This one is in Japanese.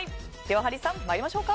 ハリーさん、参りましょうか。